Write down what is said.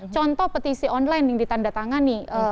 contoh petisi online yang ditanda tangani